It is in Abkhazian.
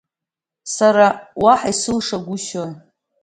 Сара уаҳа исылшагәышьои.